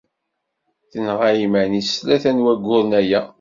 Tenɣa iman-is tlata n wayyuren aya.